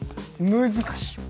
難しい。